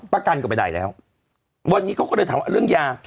วันนี้เขาก็ได้ถามเรื่องยา